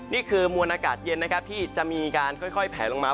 นี่คือมวลอากาศเย็นนะครับที่จะมีการค่อยแผลลงมา